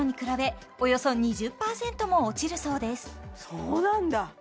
そうなんだ